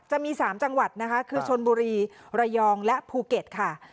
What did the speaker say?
จะมี๓จังหวัดนะคะคือชนบุรีระยองและภูเก็ตค่ะ